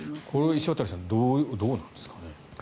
石渡さんどうなんですか。